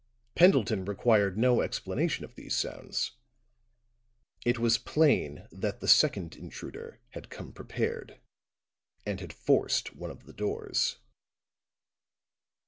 Pendleton required no explanation of these sounds; it was plain that the second intruder had come prepared and had forced one of the doors.